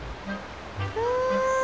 うん。